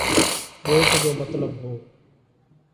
ڳوٺ جو مطلب هو